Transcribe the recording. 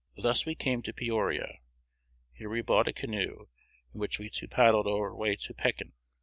"Thus we came to Peoria: here we bought a canoe, in which we two paddled our way to Pekin.